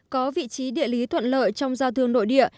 có vị trí địa lý thuận lợi trong giao thương nội địa